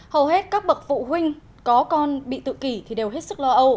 hầu hết các bậc phụ huynh có con bị tự kỷ thì đều hết sức lo âu